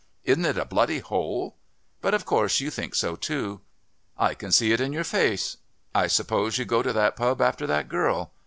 Isn't it a bloody hole? But of course you think so too. I can see it in your face. I suppose you go to that pub after that girl.